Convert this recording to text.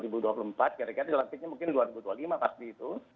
kira kira dilantiknya mungkin dua ribu dua puluh lima pasti itu